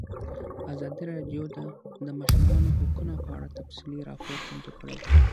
ازادي راډیو د د ماشومانو حقونه په اړه تفصیلي راپور چمتو کړی.